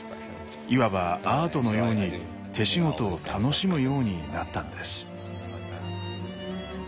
いわばアートのように手仕事を楽しむようになったんです。